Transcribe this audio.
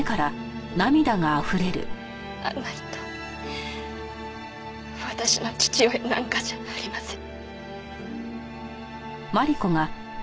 あんな人私の父親なんかじゃありません。